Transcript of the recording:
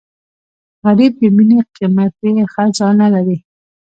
غریب د مینې قیمتي خزانه لري